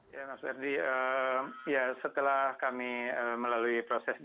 ya mas werdie setelah kami melalui proses di